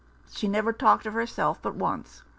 She never talked of herself but once.